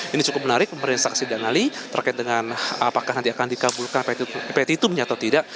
ini cukup menarik pemberian saksi dan ali terkait dengan apakah nanti akan dikabulkan petitumnya atau tidak